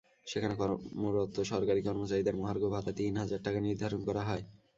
সেখানে কর্মরত সরকারি কর্মচারীদের মহার্ঘ ভাতা তিন হাজার টাকা নির্ধারণ করা হয়।